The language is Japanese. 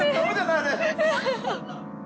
あれ。